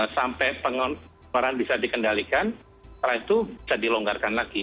sampai pengeluaran bisa dikendalikan setelah itu bisa dilonggarkan lagi